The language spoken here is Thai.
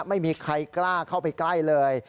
ไม่มีใครกล้าเข้าไปใกล้เลย